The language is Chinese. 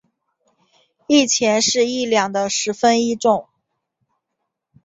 一钱是一两的十分一重。